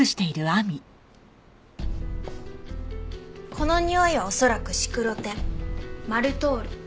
このにおいは恐らくシクロテンマルトール。